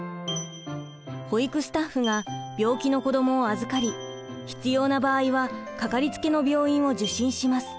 保育スタッフが病気の子どもを預かり必要な場合はかかりつけの病院を受診します。